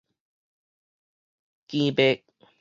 經襪